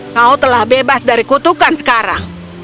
kau telah bebas dari kutukan sekarang